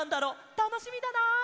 たのしみだな！